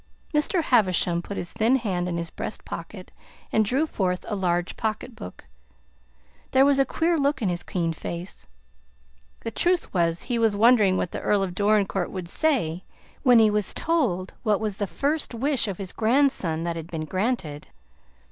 Mr. Havisham put his thin hand in his breast pocket and drew forth a large pocket book. There was a queer look in his keen face. The truth was, he was wondering what the Earl of Dorincourt would say when he was told what was the first wish of his grandson that had been granted.